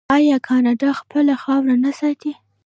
آیا کاناډا خپله خاوره نه ساتي؟